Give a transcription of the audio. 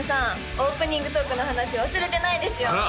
オープニングトークの話忘れてないですよ